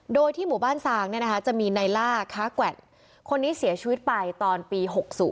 โดยที่หมู่บ้านซางจะมีในล่าค้าแกวดคนนี้เสียชีวิตไปตอนปี๖๐